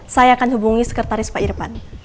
saya akan hubungi sekretaris pak irvan